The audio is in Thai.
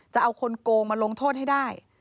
จะเอาคนโกงมาลงโทษให้ได้